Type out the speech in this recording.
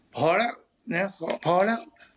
พอละพอละ